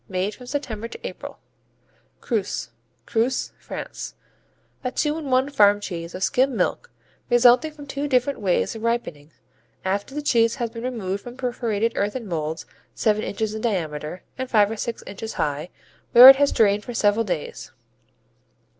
Made from September to April. Creuse Creuse, France A two in one farm cheese of skimmed milk, resulting from two different ways of ripening, after the cheese has been removed from perforated earthen molds seven inches in diameter and five or six inches high, where it has drained for several days: I.